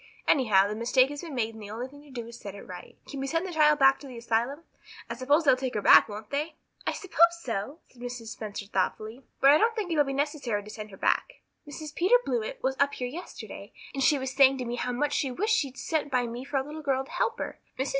Anyhow, the mistake has been made and the only thing to do is to set it right. Can we send the child back to the asylum? I suppose they'll take her back, won't they?" "I suppose so," said Mrs. Spencer thoughtfully, "but I don't think it will be necessary to send her back. Mrs. Peter Blewett was up here yesterday, and she was saying to me how much she wished she'd sent by me for a little girl to help her. Mrs.